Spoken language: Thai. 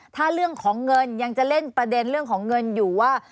ถ้าเรื่องของเงินยังจะเล่นประเด็นเรื่องของเงินอยู่ว่า